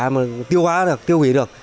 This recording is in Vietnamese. mà tiêu hóa được tiêu hủy được